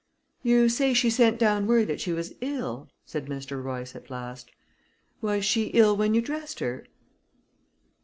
"You say she sent down word that she was ill?" said Mr. Royce, at last. "Was she ill when you dressed her?"